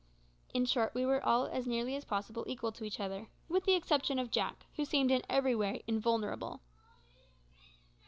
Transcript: In short, we were all as nearly as possible equal to each other, with the exception of Jack, who seemed in every way invulnerable.